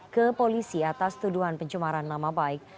ke polisi atas tuduhan pencemaran nama baik